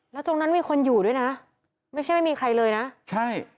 แล้วตรงนั้นมีคนอยู่ด้วยนะไม่ใช่ไม่มีใครเลยนะใช่